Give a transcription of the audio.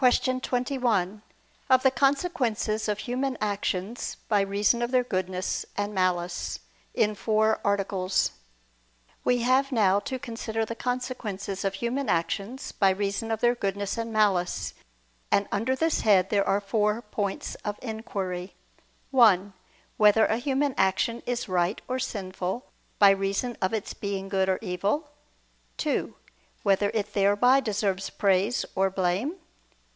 ________________________ QUESTION 21 OF THE CONSEQUENCES OF HUMAN ACTIONS BY REASON OF THEIR GOODNESS AND MALICE (In Four Articles) We have now to consider the consequences of human actions by reason of their goodness and malice: and under this head there are four points of inquiry: (1) Whether a human action is right or sinful by reason of its being good or evil? (2) Whether it thereby deserves praise or blame?